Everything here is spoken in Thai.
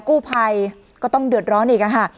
กู้ภัยก็ต้องเดือดร้อนอีกค่ะ